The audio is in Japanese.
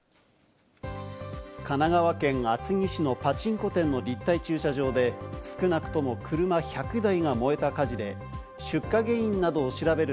神奈川県厚木市のパチンコ店の立体駐車場で、少なくとも車１００台が燃えた火事で、出火原因などを調べる